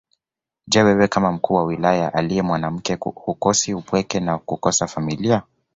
Je wewe kama mkuu wa Wilaya aliye mwanamke hukosi upweke wa kukosa familia